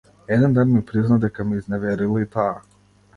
Еден ден ми призна дека ме изневерила и таа.